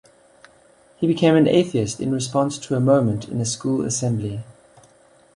He became an atheist in response to a moment in a school assembly.